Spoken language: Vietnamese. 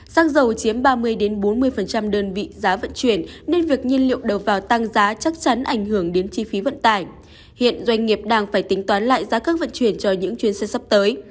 xăng dầu chiếm ba mươi bốn mươi đơn vị giá vận chuyển nên việc nhiên liệu đầu vào tăng giá chắc chắn ảnh hưởng đến chi phí vận tải hiện doanh nghiệp đang phải tính toán lại giá cước vận chuyển cho những chuyến xe sắp tới